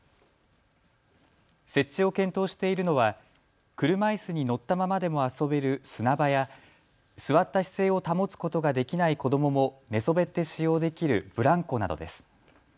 設置を検討しているのは車いすに乗ったままでも遊べる砂場や、座った姿勢を保つことができない子どもも寝そべって使用できるブランコなどです。